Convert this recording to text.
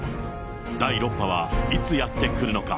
第６波はいつやって来るのか。